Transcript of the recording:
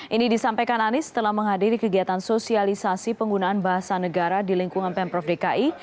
ini disampaikan anies setelah menghadiri kegiatan sosialisasi penggunaan bahasa negara di lingkungan pemprov dki